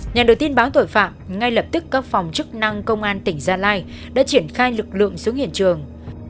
nhà đầu tiên báo tội phạm ngay lập tức các phòng chức năng công an tỉnh gia lai đã triển khai lực lượng xuống hiện trường